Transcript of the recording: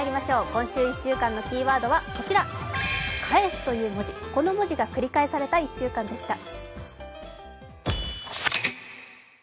今週１週間のキーワードは「返」という文字が繰り返された１週間でした。